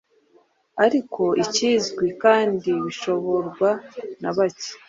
ariko bizwi kandi bishoborwa na bake.